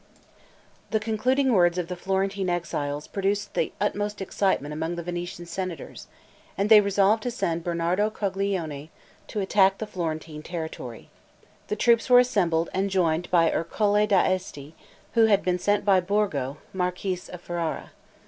The concluding words of the Florentine exiles produced the utmost excitement among the Venetian senators, and they resolved to send Bernardo Coglione, their general, to attack the Florentine territory. The troops were assembled, and joined by Ercole da Esti, who had been sent by Borgo, marquis of Ferrara.